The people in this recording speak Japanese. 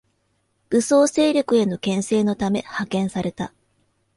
武装勢力への牽制のため派遣された